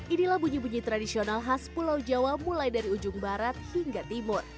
inilah bunyi bunyi tradisional khas pulau jawa mulai dari ujung barat hingga timur